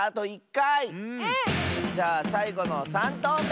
じゃあさいごの３とうめ！